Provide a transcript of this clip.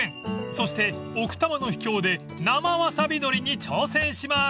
［そして奥多摩の秘境で生ワサビ採りに挑戦します］